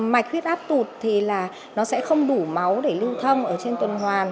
mạch huyết áp tụt thì là nó sẽ không đủ máu để lưu thông ở trên tuần hoàn